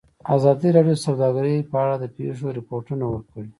ازادي راډیو د سوداګري په اړه د پېښو رپوټونه ورکړي.